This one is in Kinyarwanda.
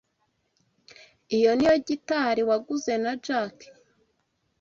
Iyo niyo gitari waguze na Jack?